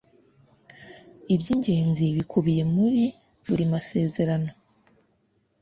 iby ingenzi bikubiye muri buri masezerano.